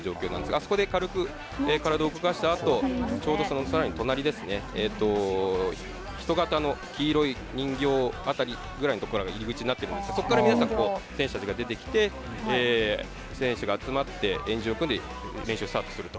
あそこで軽く体を動かしたあと、ちょうど、さらに隣ですね、人型の黄色い人形あたりぐらいの所が入り口になっているんですが、そこから皆さん、選手たちが出てきて、選手が集まって、円陣を組んで、練習をスタートすると。